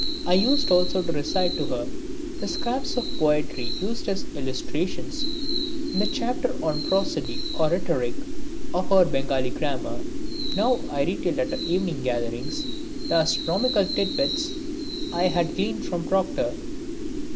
I used also to recite to her the scraps of poetry used as illustrations in the chapter on prosody or rhetoric of our Bengali grammar. Now I retailed at her evening gatherings the astronomical tit bits I had gleaned from Proctor.